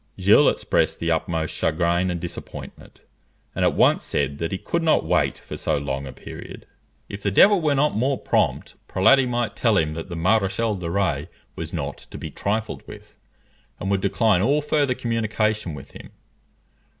Gilles expressed the utmost chagrin and disappointment, and at once said that he could not wait for so long a period; if the devil were not more, prompt Prelati might tell him that the Maréchal de Rays was not to be trifled with, and would decline all further communication with him.